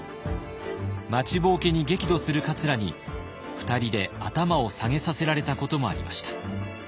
待ちぼうけに激怒する桂に２人で頭を下げさせられたこともありました。